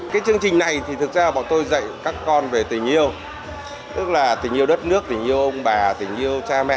cái chương trình này thì thực ra bọn tôi dạy các con về tình yêu tức là tình yêu đất nước tình yêu ông bà tình yêu cha mẹ